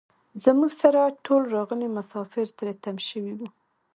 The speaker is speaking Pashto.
زموږ سره ټول راغلي مسافر تري تم شوي وو.